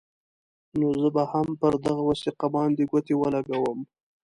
نو زه به هم پر دغه وثیقه باندې ګوتې ولګوم.